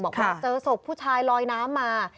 บอกว่าเจอศพผู้ชายลอยน้ำมา